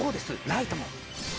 ライトも。